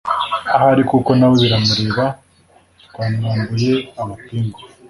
ahari kuko nawe biramureba twamwambuye amapingu